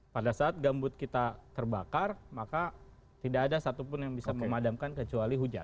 pada saat gambut kita terbakar maka tidak ada satupun yang bisa memadamkan kecuali hujan